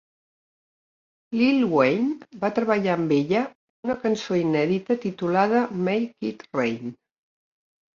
Lil Wayne va treballar amb ella en una cançó inèdita titulada "Make it Rain".